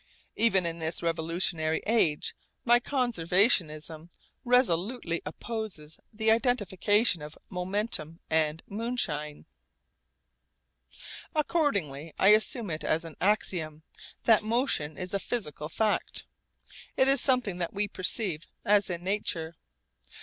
Even in this revolutionary age my conservatism resolutely opposes the identification of momentum and moonshine. Accordingly I assume it as an axiom, that motion is a physical fact. It is something that we perceive as in nature.